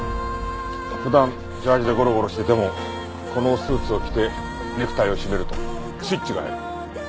普段ジャージーでゴロゴロしててもこのスーツを着てネクタイを締めるとスイッチが入る。